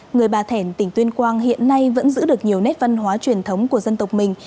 người bà thẻn tỉnh tuyên quang hiện nay vẫn giữ được nhiều nét văn hóa truyền thống của dân tộc mình